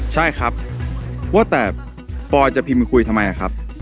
ใช่ครับว่าแต่ปอยจะพิมพ์มาคุยทำไมครับ